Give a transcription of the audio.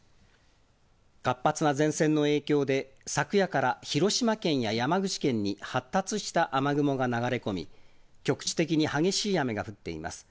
活発な前線の影響で昨夜から広島県や山口県に発達した雨雲が流れ込み、局地的に激しい雨が降っています。